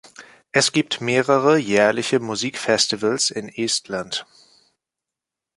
Es gibt mehrere jährliche Musikfestivals in Estland.